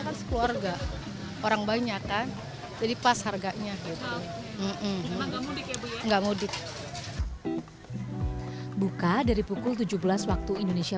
kan sekeluarga orang banyak kan jadi pas harganya gitu nggak mudik buka dari pukul tujuh belas indonesia